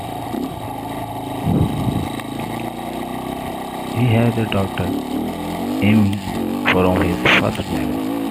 He has a daughter, Amy, from his first marriage.